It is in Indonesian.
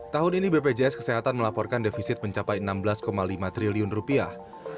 tahun ini bpjs kesehatan melaporkan defisit mencapai enam belas lima triliun rupiah